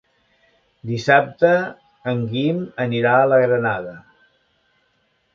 Dissabte en Guim anirà a la Granada.